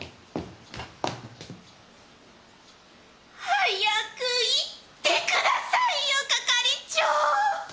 早く言ってくださいよ係長！